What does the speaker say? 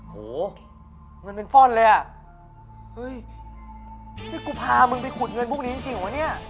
โหมันเป็นฟ่อนเลยอะเฮ้ยนี่กูพามึงไปขุดเงินพวกนี้จริงวะเนี่ย